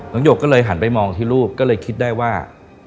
หยกก็เลยหันไปมองที่ลูกก็เลยคิดได้ว่า